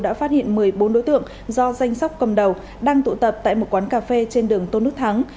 đã phát hiện một mươi bốn đối tượng do danh sóc cầm đầu đang tụ tập tại một quán cà phê trên đường tôn đức thắng